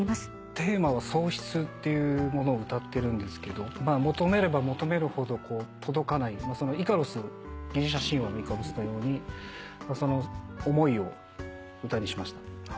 テーマは喪失っていうものを歌ってるんですけど求めれば求めるほど届かないギリシャ神話のイカロスのようにその思いを歌にしました。